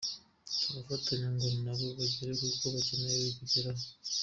Turafatanya ngo na bo bagere kubo bakeneye kugeraho.